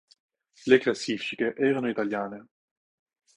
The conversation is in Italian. Le classifiche erano italiane.